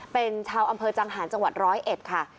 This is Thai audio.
เป็นชาวอำเภอจังหารจังหวัดร้อยเอ็ดค่ะ